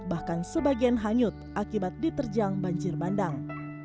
bahkan sebagian hanyut akibat diterjang banjir bandang